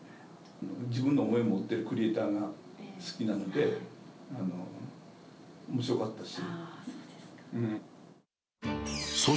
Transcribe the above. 自分の思いを持っているクリエーターが好きなので、おもしろかったですし。